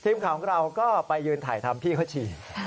ทีมข่าวของเราก็ไปยืนถ่ายทำพี่เขาฉีด